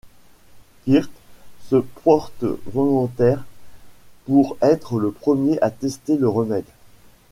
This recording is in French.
Kirk se porte volontaire pour être le premier à tester le remède.